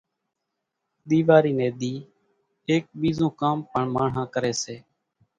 ۮيواري نين ۮي ايڪ ٻيزون ڪام پڻ ماڻۿان ڪري سي